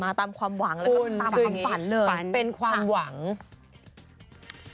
มาตามความหวังแล้วก็ตามความฝันเลย